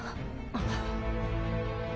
あっ。